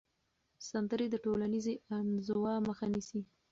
سندرې د ټولنیزې انزوا مخه نیسي.